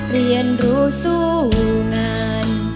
เรียนรู้สู้งาน